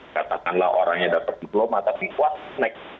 katakanlah orangnya dapat diploma tapi what next